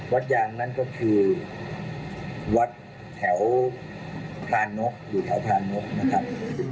วัดยางนั่นก็คือวัดแถวพรานกอยู่แถวพรานกนะครับ